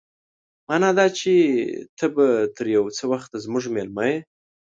مانا دا چې ته به تر يو څه وخته زموږ مېلمه يې.